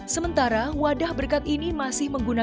sementara wadah berkat ini masih menggunakan